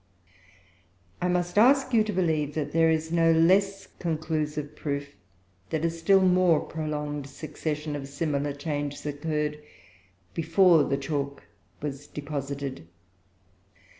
I must ask you to believe that there is no less conclusive proof that a still more prolonged succession of similar changes occurred, before the chalk was deposited.